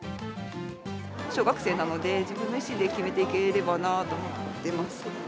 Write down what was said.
小学生なので、自分の意思で決めていければなと思ってます。